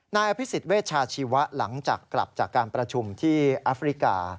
นายอภิษฎเวชาชีวะหลังจากกลับจากการประชุมที่แอฟริกา